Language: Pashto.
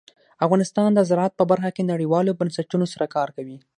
افغانستان د زراعت په برخه کې نړیوالو بنسټونو سره کار کوي.